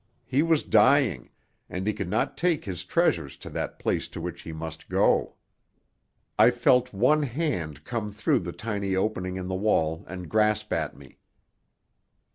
He was dying and he could not take his treasures to that place to which he must go. I felt one hand come through the tiny opening in the wall and grasp at me.